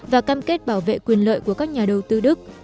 và cam kết bảo vệ quyền lợi của các nhà đầu tư đức